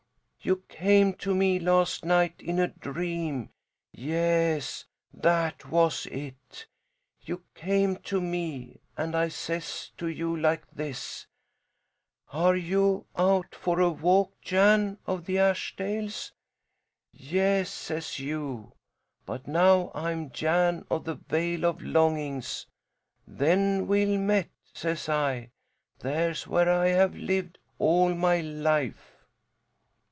"You came to me last night in a dream yes, that was it. You came to me and I says to you like this: 'Are you out for a walk, Jan of the Ashdales?' 'Yes,' says you, 'but now I'm Jan of the Vale of Longings.' 'Then, well met,' says I. 'There's where I have lived all my life.'"